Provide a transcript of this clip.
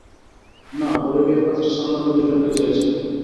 না, বলিভিয়ার কাজটা সামলানো দুইজনকে চেয়েছিল।